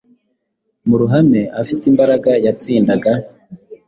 mu ruhame afite imbaraga yatsindaga,